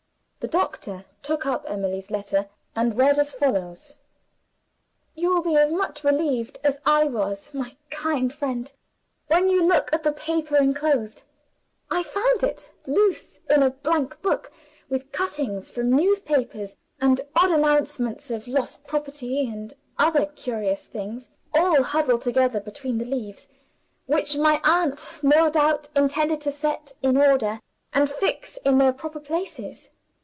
The doctor took up Emily's letter, and read as follows: "You will be as much relieved as I was, my kind friend, when you look at the paper inclosed. I found it loose in a blank book, with cuttings from newspapers, and odd announcements of lost property and other curious things (all huddled together between the leaves), which my aunt no doubt intended to set in order and fix in their proper places.